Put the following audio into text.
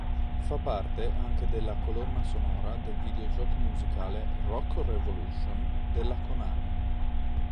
Fa parte anche della colonna sonora del videogioco musicale "Rock Revolution" della Konami.